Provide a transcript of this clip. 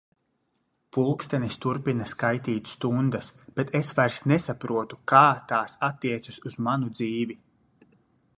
Pulkstenis turpina skaitīt stundas, bet es vairs nesaprotu, kā tās attiecas uz manu dzīvi.